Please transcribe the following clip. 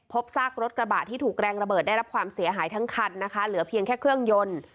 ซากรถกระบะที่ถูกแรงระเบิดได้รับความเสียหายทั้งคันนะคะเหลือเพียงแค่เครื่องยนต์